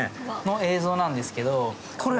映像なんですけどこれ。